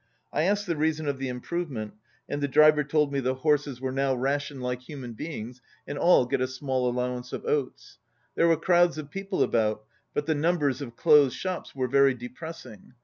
I asked the reason of the improvement, and the driver told me the horses 25 were now rationed like human beings, and all got a small allowance of oats. There were crowds of people about, but the numbers of closed shops were very depressing.